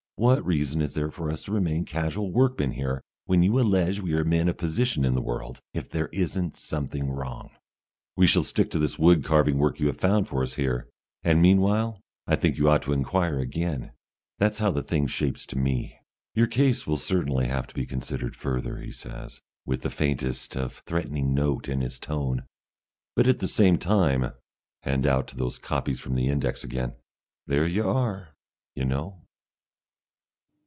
What reason is there for us to remain casual workmen here, when you allege we are men of position in the world, if there isn't something wrong? We shall stick to this wood carving work you have found us here, and meanwhile I think you ought to inquire again. That's how the thing shapes to me." "Your case will certainly have to be considered further," he says, with the faintest of threatening notes in his tone. "But at the same time" hand out to those copies from the index again "there you are, you know!"